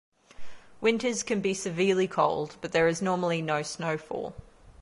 Winters can be severely cold but there is normally no snowfall.